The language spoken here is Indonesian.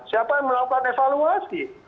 siapa yang melakukan evaluasi